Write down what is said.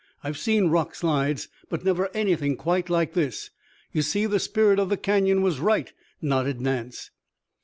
I've seen rock slides, but never anything quite like this. You see, the spirit of the Canyon was right," nodded Nance.